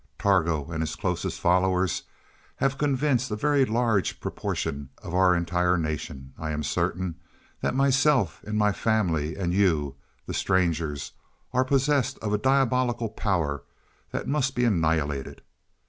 Targo and his closest followers have convinced a very large proportion of our entire nation, I am certain, that myself, and my family, and you, the strangers, are possessed of a diabolical power that must be annihilated.